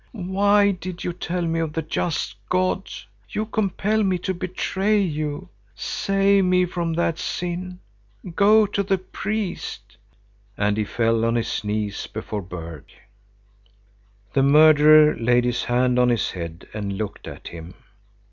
Why did you tell me of the just God? You compel me to betray you. Save me from that sin. Go to the priest." And he fell on his knees before Berg. The murderer laid his hand on his head and looked at him.